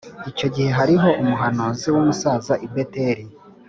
Icyo gihe hariho umuhanuzi w’umusaza i Beteli